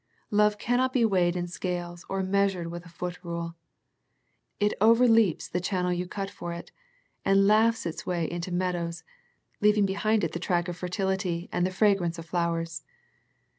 Love cannot be weighed in scales or measured with a foot rule. It overleaps the channel you cut for it, and laughs its way into meadows, leaving behind it the track of fertility and the fragrance of flowers.